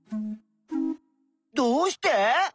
どうして？